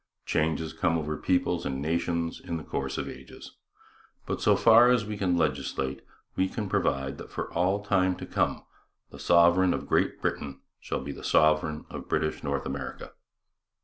Changes come over peoples and nations in the course of ages. But so far as we can legislate, we provide that for all time to come the sovereign of Great Britain shall be the sovereign of British North America.